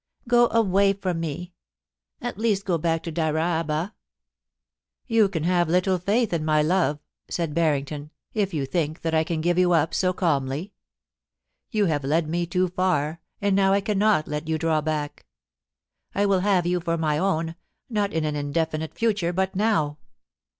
Go away from me. At least go back to Dyraaba.' IN PERIL. 34S < You can have little faith in my love,' said fianington, ' if you think that I can give you up so calmly. You have led me too far, and now I cannot let you draw back. I will have you for my own, not in an indefinite future, but now.